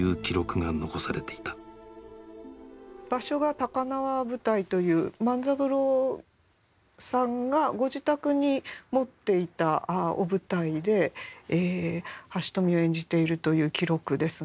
場所が高輪舞台という万三郎さんがご自宅に持っていたお舞台で「半蔀」を演じているという記録ですね。